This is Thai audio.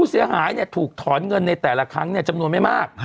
เสียหายถูกถอนเงินในแต่ละครั้งจำนวนไม่มาก